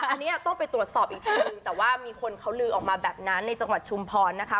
อันนี้ต้องไปตรวจสอบอีกทีนึงแต่ว่ามีคนเขาลือออกมาแบบนั้นในจังหวัดชุมพรนะคะ